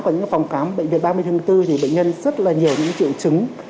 ở những phòng khám bệnh viện ba mươi tháng bốn thì bệnh nhân rất là nhiều những triệu chứng